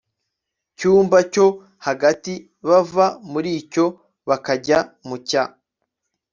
cyumba cyo hagati bava muri cyo bakajya mu cya